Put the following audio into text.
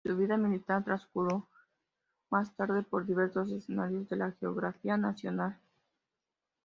Su vida militar transcurrió más tarde por diversos escenarios de la geografía nacional.